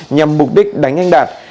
nhằm mục đích đánh anh đạt